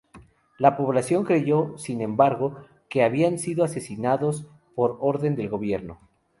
La población creyó, sin embargo, que habían sido asesinados por orden del gobierno.